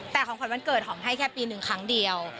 แต่ของขวัญวันเกิดหอมให้แค่ปีหนึ่งครั้งเดียว